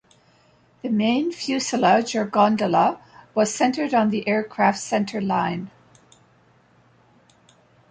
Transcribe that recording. The main fuselage, or gondola, was centered on the aircraft's centerline.